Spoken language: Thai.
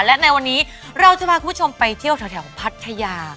และในวันนี้เราจะพาคุณผู้ชมไปเที่ยวแถวพัทยา